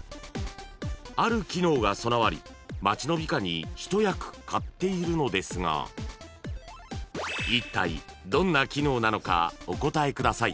［ある機能が備わり街の美化に一役買っているのですがいったいどんな機能なのかお答えください］